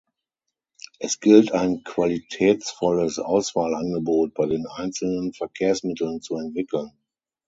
Es gilt, ein qualitätsvolles Auswahlangebot bei den einzelnen Verkehrsmitteln zu entwickeln.